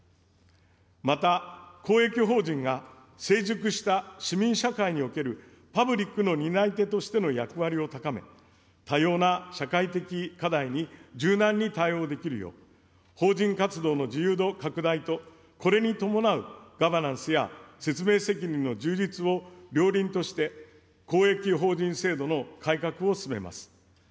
また、公益法人が、成熟した市民社会におけるパブリックの担い手としての役割を高め、多様な社会的課題に柔軟に対応できるよう、法人活動の自由度拡大と、これに伴うガバナンスや説明責任の充実を両輪として、公益法人制度の改革を進めます。